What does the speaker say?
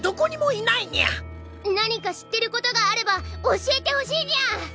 何か知ってることがあれば教えてほしいニャ！